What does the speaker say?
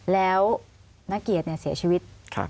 แล้วนาเกียรติเนี่ยเสียชีวิต